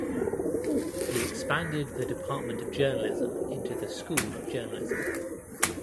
He expanded the department of journalism into the School of Journalism.